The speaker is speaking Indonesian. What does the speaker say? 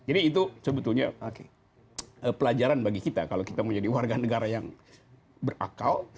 jadi itu sebetulnya pelajaran bagi kita kalau kita mau jadi warga negara yang berakal